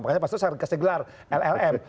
makanya pas itu saya kasih gelar llm